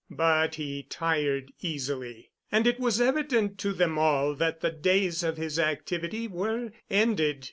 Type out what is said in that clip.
But he tired easily, and it was evident to them all that the days of his activity were ended.